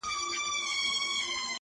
يو خوا يې توره سي تياره ښكاريږي”